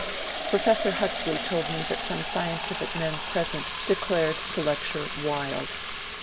Professor Huxley told me that some scientific men present declared the lecture wild.